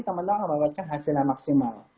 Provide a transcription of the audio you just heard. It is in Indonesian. teman teman akan mendapatkan hasilnya maksimal